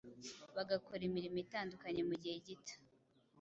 bagakora imirimo itandukanye mugihe gito